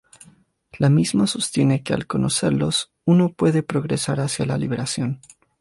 La misma sostiene que al conocerlos uno puede progresar hacia la liberación.